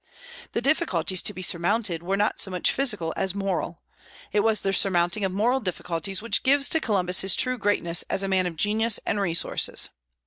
The difficulties to be surmounted were not so much physical as moral. It was the surmounting of moral difficulties which gives to Columbus his true greatness as a man of genius and resources.